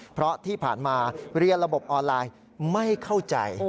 เพราะที่ผ่านมาเรียนระบบออนไลน์ไม่เข้าใจ